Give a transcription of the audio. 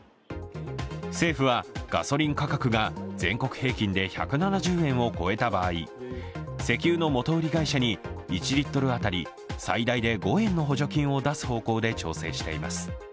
政府はガソリン価格が全国平均で１７０円を超えた場合、石油の元売り会社に１リットル当たり最大で５円の補助金を出す方向で検討しています。